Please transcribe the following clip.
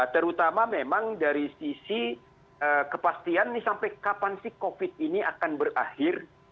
terutama memang dari sisi kepastian ini sampai kapan sih covid ini akan berakhir